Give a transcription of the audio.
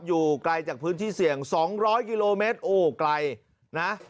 อยู่ไกลจากพื้นที่เสี่ยง๒๐๐กิโลเมตรโอ้ไกลนะ